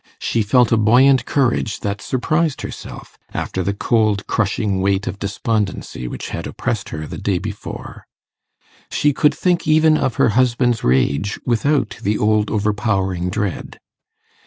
She felt a buoyant courage that surprised herself, after the cold crushing weight of despondency which had oppressed her the day before: she could think even of her husband's rage without the old overpowering dread.